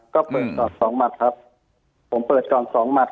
ก็เปิดก่อนสองหมัดครับผมเปิดก่อนสองหมัด